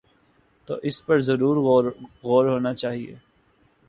تو اس پر ضرور غور ہو نا چاہیے۔